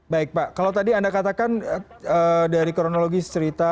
baik pak kalau tadi anda katakan dari kronologi cerita